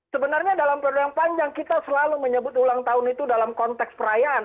sebenarnya dalam periode yang panjang kita selalu menyebut ulang tahun itu dalam konteks perayaan